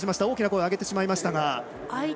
大きな声を上げてしまいましたが。